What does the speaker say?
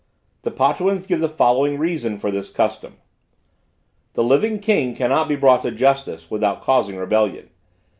The Potuans give the following reason for this custom. The living king cannot be brought to justice without causing rebellion.